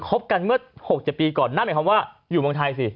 บกันเมื่อ๖๗ปีก่อนนั่นหมายความว่าอยู่เมืองไทยสิ